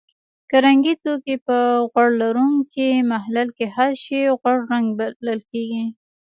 که رنګي توکي په غوړ لرونکي محلل کې حل شي غوړ رنګ بلل کیږي.